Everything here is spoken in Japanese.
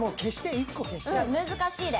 難しいで。